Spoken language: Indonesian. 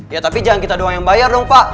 ya tapi jangan kita doang yang bayar dong pak